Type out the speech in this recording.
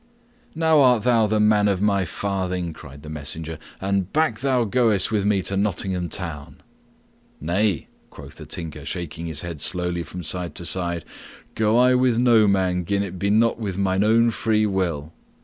"Now art thou the man for my farthing," cried the messenger. "And back thou goest with me to Nottingham Town." "Nay," quoth the Tinker, shaking his head slowly from side to side. "Go I with no man gin it be not with mine own free will."